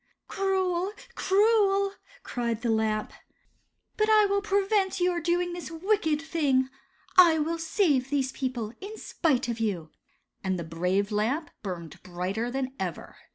•' Cruel, cruel," cried the Lamp, " but I will pre 136 The Light House Lamp. vent your doing this wicked thing. I will save these people, in spite of you," and the brave Lamp burned brighter than ever.